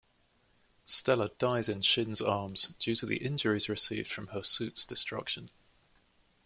Stella dies in Shinn's arms due to the injuries received from her suit's destruction.